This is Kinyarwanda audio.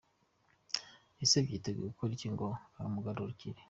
Ese yiteguye gukora iki ngo umugarukire.